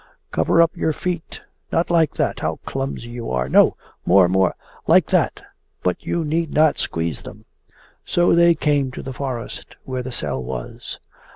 'Cover up my feet. Not like that how clumsy you are! No! More, more like that! But you need not squeeze them!' So they came to the forest where the cell was.